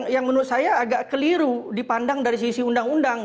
yang menurut saya agak keliru dipandang dari sisi undang undang